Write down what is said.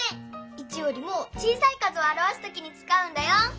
１よりも小さい数を表すときにつかうんだよ！